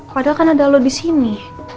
padahal kan ada lo disini